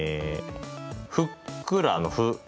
ふっくらの「ふ」